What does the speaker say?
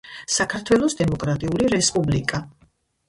საქართველოს დამოკრატიული რესპუბლიკა